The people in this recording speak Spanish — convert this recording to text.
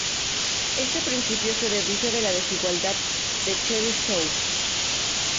Este principio se deduce de la Desigualdad de Chebyshov.